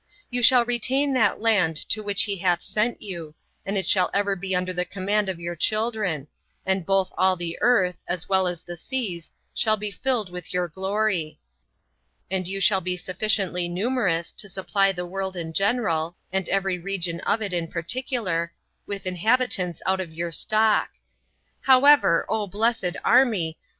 You shall retain that land to which he hath sent you, and it shall ever be under the command of your children; and both all the earth, as well as the seas, shall be filled with your glory: and you shall be sufficiently numerous to supply the world in general, and every region of it in particular, with inhabitants out of your stock. However, O blessed army!